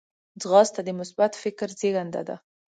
ځغاسته د مثبت فکر زیږنده ده